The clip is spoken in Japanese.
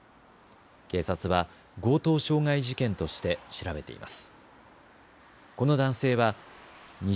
警察は強盗傷害事件として調べています。